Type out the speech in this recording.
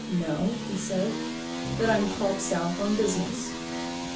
'No,' he said, 'that I'm called South on business.'